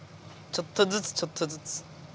ちょっとずつちょっとずつ。